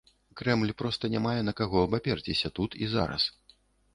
Крэмль проста не мае на каго абаперціся тут зараз.